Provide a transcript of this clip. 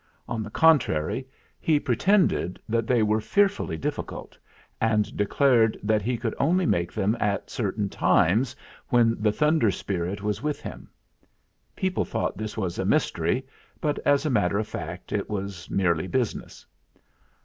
On the contrary, he pretended that they were fearfully difficult, and declared that he could only make them at certain times when the Thunder Spirit was with him. People thought this was mystery; but as a matter of fact it was merely business.